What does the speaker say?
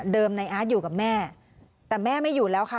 ในอาร์ตอยู่กับแม่แต่แม่ไม่อยู่แล้วค่ะ